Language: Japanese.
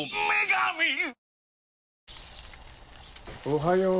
おはよう。